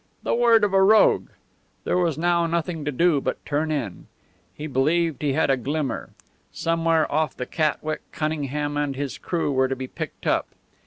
The word of a rogue! There was now nothing to do but turn in. He believed he had a glimmer. Somewhere off the Catwick Cunningham and his crew were to be picked up.